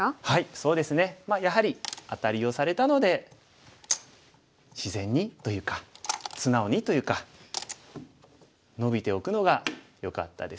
そうですねやはりアタリをされたので自然にというか素直にというかノビておくのがよかったですね。